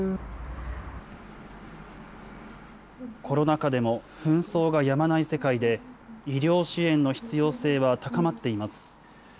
コロナ禍でも紛争がやまない世界で、医療支援の必要性は高まっています。